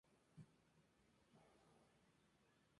Él es además el autor de numerosos libros.